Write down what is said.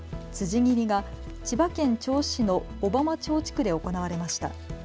辻切りが千葉県銚子市の小浜町地区で行われました。